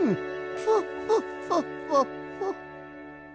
フォッフォッフォッフォッフォッ。